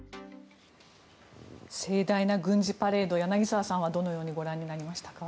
盛大な軍事パレード柳澤さんはどのようにご覧になりましたか。